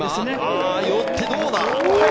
寄って、どうだ？